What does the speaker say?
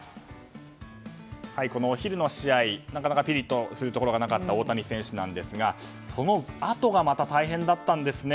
お昼の試合、なかなかピリッとするところがなかった大谷選手なんですがそのあとがまた大変だったんです。